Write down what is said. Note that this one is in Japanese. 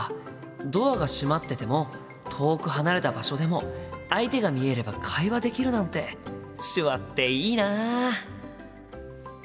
ドアが閉まってても遠く離れた場所でも相手が見えれば会話できるなんて手話っていいな。